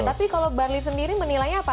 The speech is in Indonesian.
tapi kalau barli sendiri menilainya apa